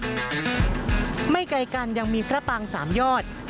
บริเวณหน้าสารพระการอำเภอเมืองจังหวัดลบบุรี